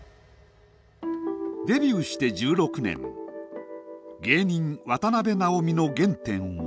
デビューして１６年芸人渡辺直美の原点は？